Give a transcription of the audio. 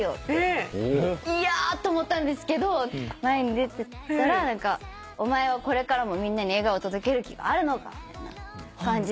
いやと思ったんですけど前に出てったら「お前はこれからもみんなに笑顔を届ける気があるのか？」みたいな感じで。